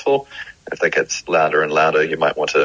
jika itu semakin teruk anda mungkin ingin berhenti